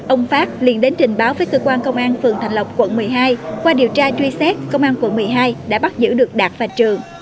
ông phát liền đến trình báo với cơ quan công an phường thạnh lộc quận một mươi hai qua điều tra truy xét công an quận một mươi hai đã bắt giữ được đạt và trường